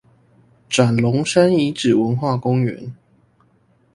斬龍山遺址文化公園